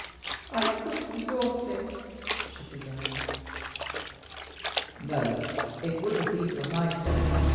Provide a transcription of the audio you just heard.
"I could for your sake," she began. "No, it wouldn't be for my sake.